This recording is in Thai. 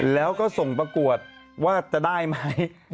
แล้วก็ส่งประกวดว่าจะได้ไหม